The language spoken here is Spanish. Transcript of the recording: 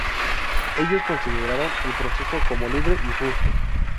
Ellos consideraron el proceso como libre y justo.